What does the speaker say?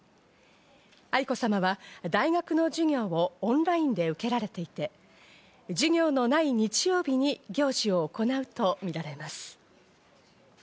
愛子さまは大学の授業をオンラインで受けられていて、授業のない日曜日に行事を行うとみられます。